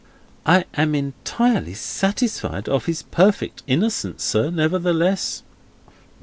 "I am entirely satisfied of his perfect innocence, sir, nevertheless."